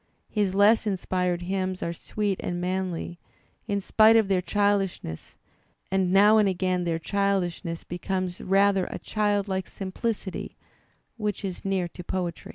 His less inspired hymns are sweet and manly, in spite of their childishness, and now and again their childishness becomes rather a childlike simplicity which is near to poetry.